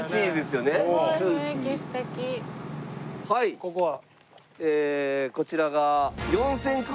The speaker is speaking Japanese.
ここは？こちらが。